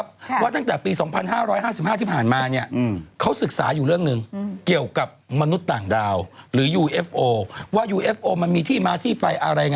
ภัณฑ์พัทอาพาอาพรศิริ